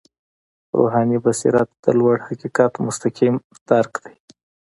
روحاني بصیرت د لوړ حقیقت مستقیم درک دی.